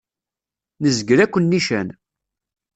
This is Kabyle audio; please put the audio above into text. Nezgel akk nnican.